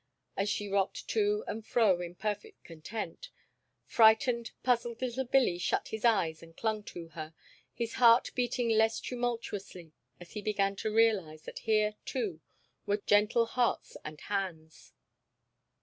As she rocked to and fro in perfect content, frightened, puzzled little Billy shut his eyes and clung to her, his heart beating less tumultuously as he began to realize that here, too, were gentle hearts and hands.